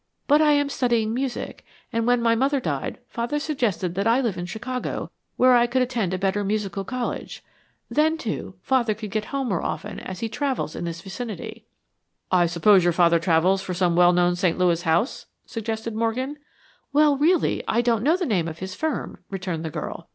"But I am studying music, and when my mother died, father suggested that I live in Chicago where I could attend a better musical college. Then, too, father could get home more often as he travels in this vicinity." "I suppose your father travels for some well known St. Louis house?" suggested Morgan. "Well, really, I don't know the name of his firm," returned the girl.